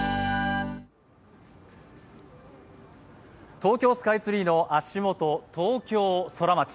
東京スカイツリーの足元、東京ソラマチ。